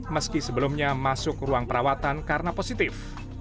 meski sebelumnya masuk ke ruang perawatan karena positif